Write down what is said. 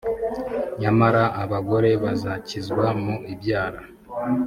nyamara abagore bazakizwa mu ibyara